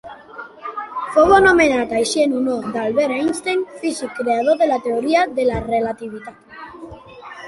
Fou anomenat així en honor d'Albert Einstein, físic creador de la Teoria de la Relativitat.